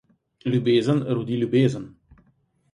Ljubezen rodi ljubezen.